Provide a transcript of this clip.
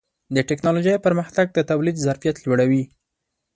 د ټکنالوجۍ پرمختګ د تولید ظرفیت لوړوي.